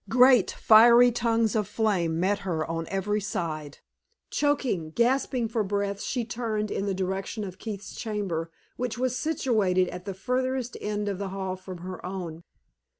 Great, fiery tongues of flame met her on every side. Choking, gasping for breath, she turned in the direction of Keith's chamber, which was situated at the furthest end of the hall from her own.